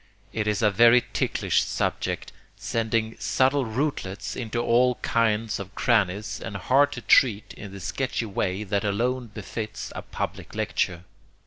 It is a very ticklish subject, sending subtle rootlets into all kinds of crannies, and hard to treat in the sketchy way that alone befits a public lecture.